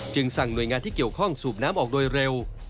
สั่งหน่วยงานที่เกี่ยวข้องสูบน้ำออกโดยเร็ว